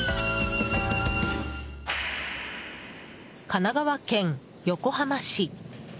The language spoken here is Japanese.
神奈川県横浜市。